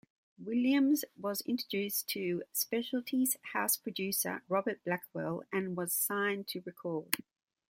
Williams was introduced to Specialty's house producer, Robert Blackwell, and was signed to record.